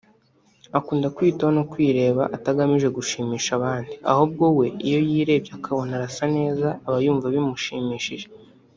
Akunda kwiyitaho no kwireba atagamije gushimisha abandi ahubwo we iyo yirebye akabona arasa neza aba yumva bimushimishije